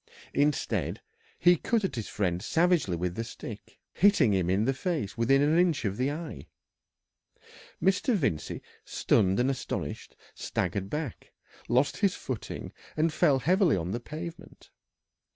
Instead, he cut at his friend savagely with the stick, hitting him in the face within an inch of the eye. Mr. Vincey, stunned and astonished, staggered back, lost his footing, and fell heavily on the pavement.